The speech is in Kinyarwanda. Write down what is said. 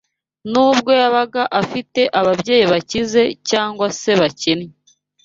nubwo yabaga afite ababyeyi bakize cyangwa se bakennye